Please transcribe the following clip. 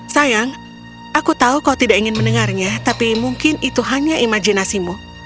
sayang aku tahu kau tidak ingin mendengarnya tapi mungkin itu hanya imajinasimu